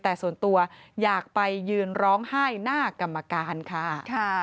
แต่ส่วนตัวอยากไปยืนร้องไห้หน้ากรรมการค่ะ